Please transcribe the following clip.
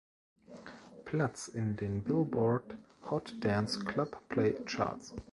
Platz in den Billboard-Hot-Dance-Club-Play-Charts.